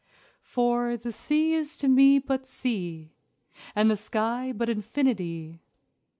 For, the sea is to me but sea, And the sky but infinity.